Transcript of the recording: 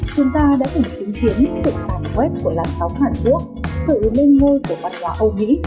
chúng ta đã cùng chứng kiến sự tàn quét của làn sóng hàn quốc sự lên ngôi của văn hóa âu mỹ